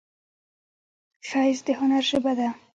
ښایست د هنر ژبه ده